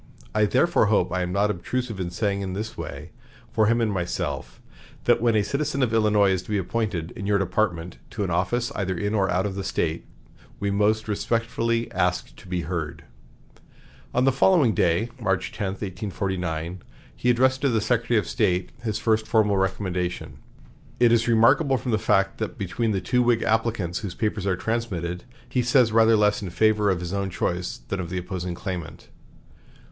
I therefore hope I am not obtrusive in saying in this way, for him and myself, that when a citizen of Illinois is to be appointed, in your department, to an office, either in or out of the State, we most respectfully ask to be heard." On the following day, March 10, 1849, he addressed to the Secretary of State his first formal recommendation. It is remarkable from the fact that between the two Whig applicants whose papers are transmitted, he says rather less in favor of his own choice than of the opposing claimant.